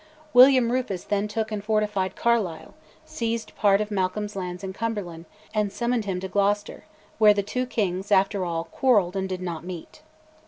William Rufus then took and fortified Carlisle, seized part of Malcolm's lands in Cumberland, and summoned him to Gloucester, where the two Kings, after all, quarrelled and did not meet.